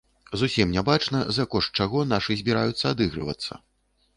Зусім не бачна за кошт чаго нашы збіраюцца адыгрывацца.